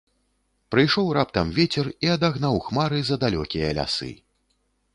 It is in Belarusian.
Прыйшоў раптам вецер і адагнаў хмары за далёкія лясы.